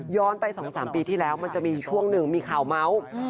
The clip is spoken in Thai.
ไป๒๓ปีที่แล้วมันจะมีช่วงหนึ่งมีข่าวเมาส์